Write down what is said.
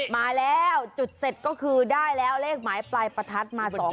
มาแล้วจุดเสร็จก็คือได้แล้วเลขหมายปลายประทัดมา๒๐